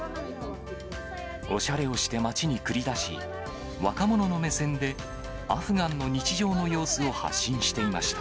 おしゃれをして街に繰り出し、若者の目線でアフガンの日常の様子を発信していました。